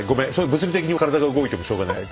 物理的に体が動いてもしょうがない。